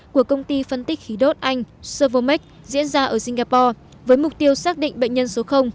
của công ty phân tích khí đốt anh servomec diễn ra ở singapore với mục tiêu xác định bệnh nhân số